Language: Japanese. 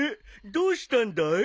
どうしたんだい？